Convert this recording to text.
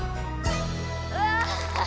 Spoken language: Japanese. うわ！